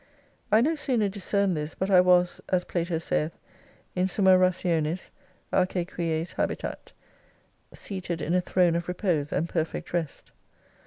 I no sooner discerned this but I was (as Plato saith, In sumtnct Rationis arce quies habitat) seated in a throne of repose and perfect rest.